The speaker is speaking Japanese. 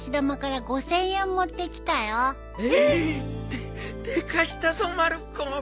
でっでかしたぞまる子！